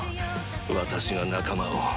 私が仲間を。